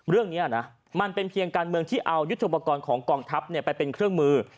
เรื่องนี้นะมันเป็นเพียงการเมืองที่เอายุทธปกรณ์ของกองทัพไปเป็นเครื่องมือ